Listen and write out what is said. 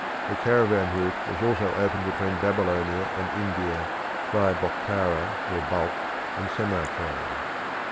A caravan route was also opened between Babylon and India via Bokhara or Balkh and Samarkand.